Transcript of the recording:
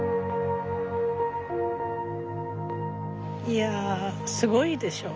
いやすごいでしょ。